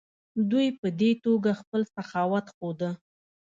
دوی په دې توګه خپل سخاوت ښوده.